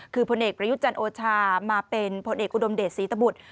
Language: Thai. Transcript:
คือพลเอกประยุทธ์จันทร์โอชามาเป็นพลเอกอุดมเดชศรีตบุตร